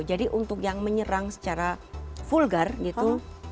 jadi untuk yang menyerang secara vulgar gitu